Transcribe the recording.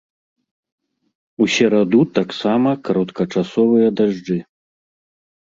У сераду таксама кароткачасовыя дажджы.